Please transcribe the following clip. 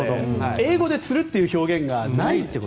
英語でつるという表現がない？